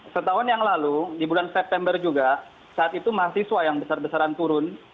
setahun yang lalu di bulan september juga saat itu mahasiswa yang besar besaran turun